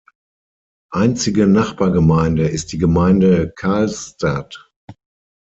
Einzige Nachbargemeinde ist die Gemeinde Karlstad.